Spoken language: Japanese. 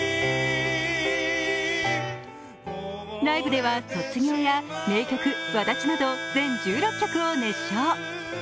ライブでは「卒業」や名曲「轍」など全１６曲を熱唱。